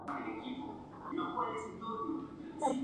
Nasser Al-Attiyah le ofreció correr dos pruebas ese mismo año.